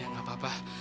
ya enggak apa apa